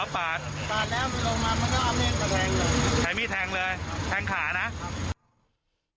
ปาดปาดแล้วมึงลงมามันก็เอามีดมาแทงเลยใช้มีดแทงเลยแทงขานะครับ